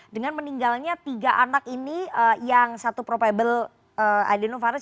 dengan meninggalnya tiga anak ini yang satu probable adenovirus